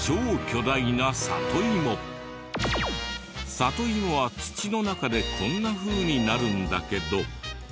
里芋は土の中でこんなふうになるんだけど。